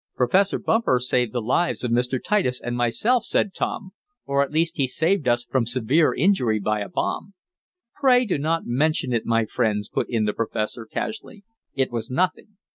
"Professor Bumper saved the lives of Mr. Titus and myself," said Tom, "or at least he saved us from severe injury by a bomb." "Pray do not mention it, my friends," put in the professor, casually. "It was nothing."